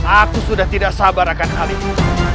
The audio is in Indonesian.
aku sudah tidak sabarkan hal ini